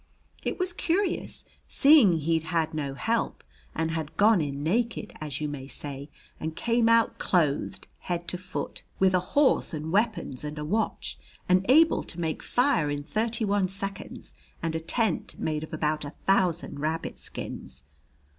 It was, curious, seeing he'd had no help and had gone in naked, as you may say, and came out clothed head to foot, with a horse and weapons and a watch, and able to make fire in thirty one seconds, and a tent made of about a thousand rabbit skins."